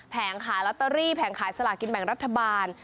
ขายลอตเตอรี่แผงขายสลากินแบ่งรัฐบาล